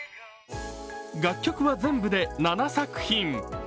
楽曲は全部で７作品。